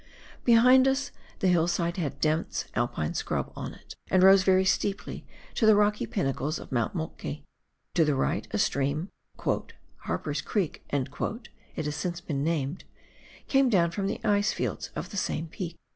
Behind us the hillside had dense Alpine scrub on it, and rose very steeply to the rocky pinnacles of Mount Moltke ; to the right a stream (" Harper's Creek " it has since been named) came down from the ice fields of the same peak.